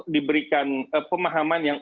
diberikan pemahaman yang